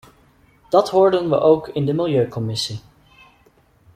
Dat hoorden we ook in de milieucommissie.